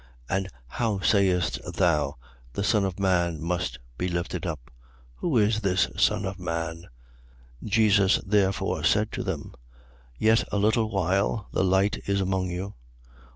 And how sayest thou: The Son of man must be lifted up? Who is this Son of man? 12:35. Jesus therefore said to them: Yet a little while, the light is among you.